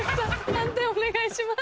判定お願いします。